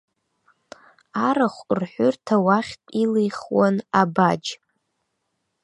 Арахә рҳәырҭа, уахьтә илихуан абаџь.